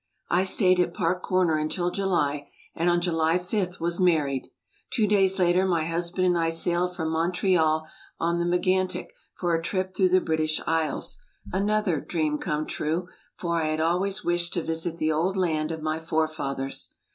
I stayed at Park Comer until July; and on July 5th was married. Two days later my hus band and 1 sailed from Montreal on the MegantU for a trip through the British Isles, another "dream come true," for I had always wished to visit the old land of my forefathers.